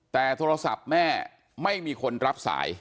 แต่โทรศัพท์แม่ไม่มีคนรับสาย